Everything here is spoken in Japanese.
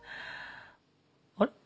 あれ？